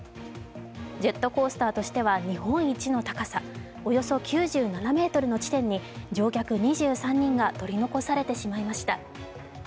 ジェットコースターとしては日本一の高さ、およそ９７ｍの地点に乗客２３人が取り残されてしまいました。